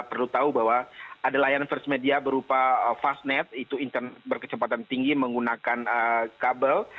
perlu tahu bahwa ada layanan first media berupa fastnet itu internet berkecepatan tinggi menggunakan kabel